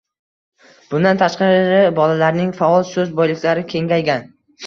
Bundan tashqari bolalarning faol so‘z boyliklari kengaygan.